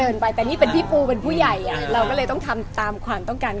อเรนนี่มีมุมเม้นท์อย่างนี้ได้เห็นอีกไหมคะแล้วแต่สถานการณ์ค่ะแล้วแต่สถานการณ์ค่ะ